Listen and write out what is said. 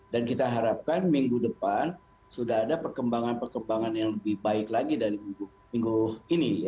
dan kita harapkan minggu depan sudah ada perkembangan perkembangan yang lebih baik lagi dari minggu ini